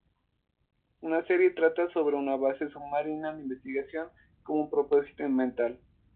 La serie trata sobre una base submarina de investigación con un propósito ambiental.